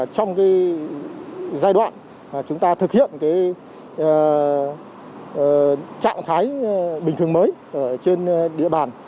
trong giai đoạn chúng ta thực hiện trạng thái bình thường mới trên địa bàn